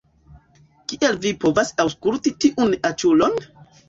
Kiel vi povas aŭskulti tiun aĉulon?